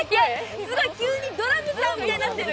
急にドラムさんみたいになってる。